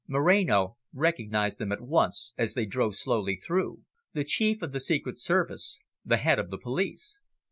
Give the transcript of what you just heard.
Moreno recognised them at once, as they drove slowly through the Chief of the Secret Service, the Head of the Police.